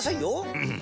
うん！